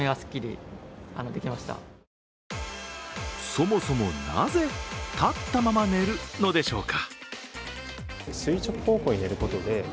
そもそも、なぜ立ったまま寝るのでしょうか？